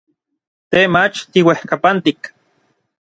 Te mach tiuejkapantik.